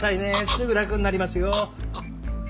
すぐ楽になりますよ。